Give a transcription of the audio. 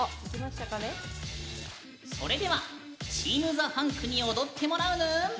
それではチームザ・ファンクに踊ってもらうぬーん。